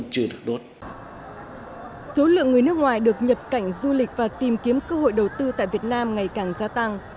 thứ lượng người nước ngoài được nhập cảnh du lịch và tìm kiếm cơ hội đầu tư tại việt nam ngày càng gia tăng